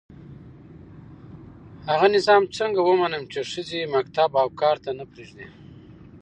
هغه نظام څنګه ومنم چي ښځي مکتب او کار ته نه پزېږدي